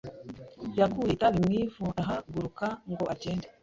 Yakuye itabi mu ivu arahaguruka ngo agende.